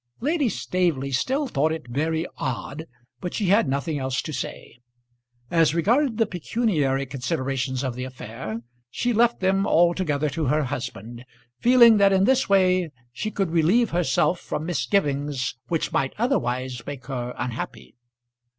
Lady Staveley still thought it very odd, but she had nothing else to say. As regarded the pecuniary considerations of the affair she left them altogether to her husband, feeling that in this way she could relieve herself from misgivings which might otherwise make her unhappy.